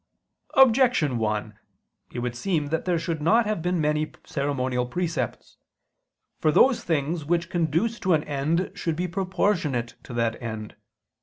Objection 1: It would seem that there should not have been many ceremonial precepts. For those things which conduce to an end should be proportionate to that end.